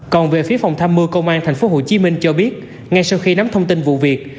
còn về phía phòng thăm mưa công an thành phố hồ chí minh cho biết ngay sau khi nắm thông tin vụ việc